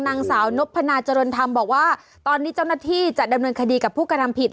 นางสาวนพนาเจริญธรรมบอกว่าตอนนี้เจ้าหน้าที่จะดำเนินคดีกับผู้กระทำผิด